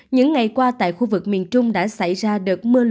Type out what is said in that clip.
những ngày qua tại khu vực miền trung đã xảy ra đợt mưa lũ